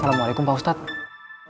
assalamualaikum pak ustadz